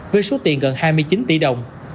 với số tiền gần hai mươi chín tỷ đồng